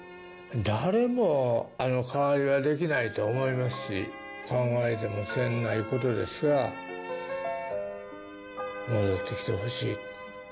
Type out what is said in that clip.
誰も、あの代わりはできないと思いますし、考えてもせんないことですが、戻ってきてほしい。